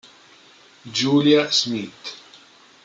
Julia Smit